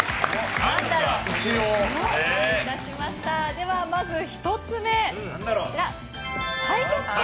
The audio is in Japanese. では、まず１つ目、太極拳。